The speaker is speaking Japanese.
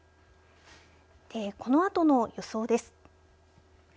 このあとの予想です。